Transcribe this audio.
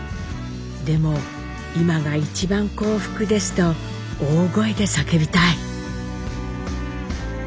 でも今が一番幸福ですと大声で叫びたい」。